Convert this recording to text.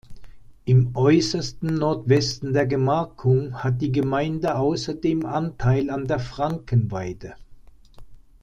Im äußersten Nordwesten der Gemarkung hat die Gemeinde außerdem Anteil an der Frankenweide.